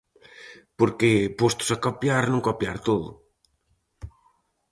Por que, postos a copiar, non copiar todo.